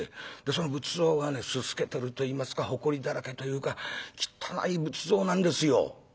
その仏像がねすすけてるといいますかほこりだらけというか汚い仏像なんですよ」。